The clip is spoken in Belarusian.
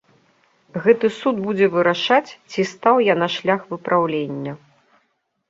Гэты суд будзе вырашаць, ці стаў я на шлях выпраўлення.